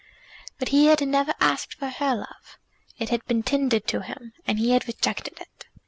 But he had never asked for her love. It had been tendered to him, and he had rejected it!